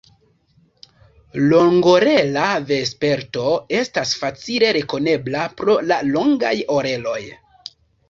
Longorela Vesperto estas facile rekonebla pro la longaj oreloj.